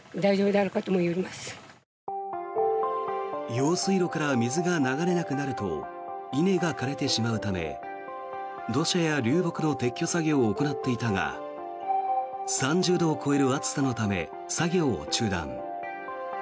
用水路から水が流れなくなると稲が枯れてしまうため土砂や流木の撤去作業を行っていたが３０度を超える暑さのため作業を中断。